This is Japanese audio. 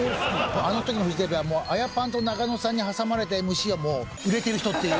あの時のフジテレビはアヤパンと中野さんに挟まれたＭＣはもう売れている人っていう。